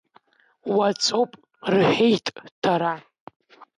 Уаҵәоуп, — рҳәеит дара.